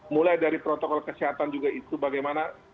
mulai dari protokol kesehatan juga itu bagaimana